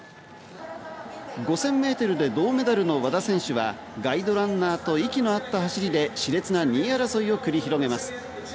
５０００ｍで銅メダルの和田選手はガイドランナーと息の合った走りで熾烈な２位争いを繰り広げます。